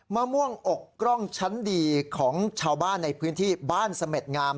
มะม่วงอกกล้องชั้นดีของชาวบ้านในพื้นที่บ้านเสม็ดงาม